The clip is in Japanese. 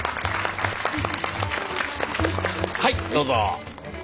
はいどうぞ。